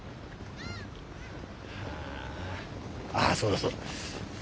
ああそうだそうだ。